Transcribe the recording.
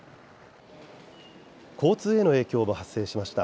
交通への影響も発生しました。